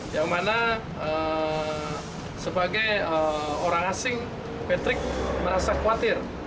yang mana sebagai orang asing patrick merasa khawatir